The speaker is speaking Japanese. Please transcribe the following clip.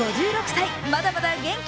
５６歳、まだまだ元気。